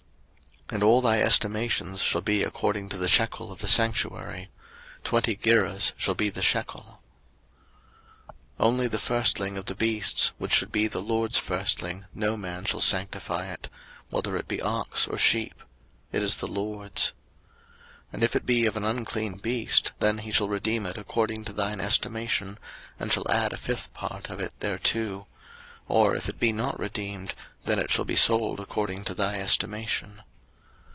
03:027:025 And all thy estimations shall be according to the shekel of the sanctuary: twenty gerahs shall be the shekel. 03:027:026 Only the firstling of the beasts, which should be the LORD's firstling, no man shall sanctify it; whether it be ox, or sheep: it is the LORD's. 03:027:027 And if it be of an unclean beast, then he shall redeem it according to thine estimation, and shall add a fifth part of it thereto: or if it be not redeemed, then it shall be sold according to thy estimation.